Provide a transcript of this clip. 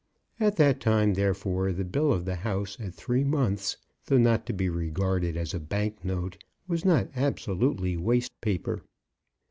At that time, therefore, the bill of the house at three months, though not to be regarded as a bank note, was not absolutely waste paper.